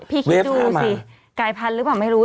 คิดดูสิกายพันธุ์หรือเปล่าไม่รู้